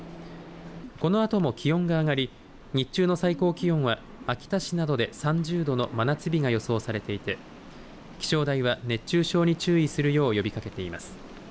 このあとも気温が上がり日中の最高気温は秋田市などで３０度の真夏日が予想されていて気象台は熱中症に注意するよう呼びかけています。